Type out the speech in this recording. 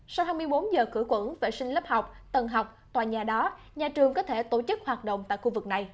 sau hai mươi bốn giờ khử quẩn vệ sinh lớp học tầng học tòa nhà đó nhà trường có thể tổ chức hoạt động tại khu vực này